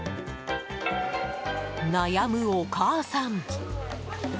悩むお母さん。